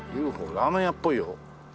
ラーメン屋っぽいよ。